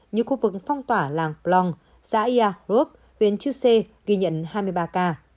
như khu vực phong tỏa làng plong xã yà rộp huyện chư sê ghi nhận hai mươi ba ca